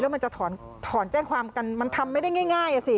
มันจะถอนแจ้งความกันมันทำไม่ได้ง่ายอ่ะสิ